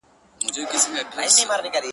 هغه مه ښوروه ژوند راڅخـه اخلي.